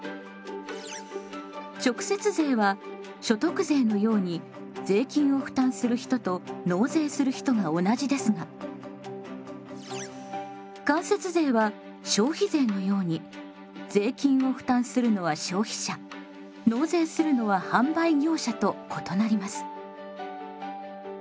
直接税は所得税のように税金を負担する人と納税する人が同じですが間接税は消費税のように税金を負担するのは消費者納税するのは販売業者と異なります。